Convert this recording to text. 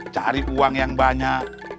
cari uang yang banyak